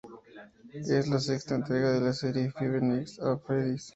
Es la sexta entrega de la serie de "Five Nights at Freddy's".